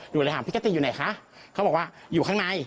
หนูเลยถามพี่กะติอยู่ไหนคะเขาบอกว่าอยู่ข้างใน